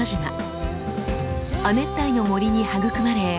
亜熱帯の森に育まれ